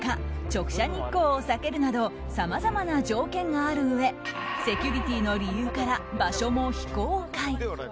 直射日光を避けるなどさまざまな条件があるうえセキュリティーの理由から場所も非公開。